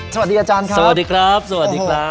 สวัสดีอาจารย์ครับสวัสดีครับสวัสดีครับ